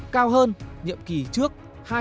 cao hơn nhiệm kỳ trước hai sáu mươi chín